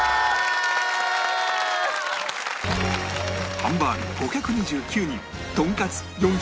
ハンバーグ５２９人とんかつ４７１人